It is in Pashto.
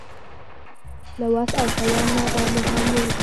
له وس او توان نه به مو هم ووځي.